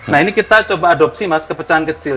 nah ini kita coba adopsi mas kepecahan kecil